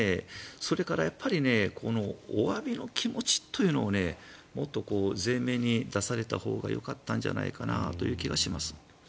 それから、やっぱりおわびの気持ちというのをもっと前面に出されたほうがよかったんじゃないかなという気がします。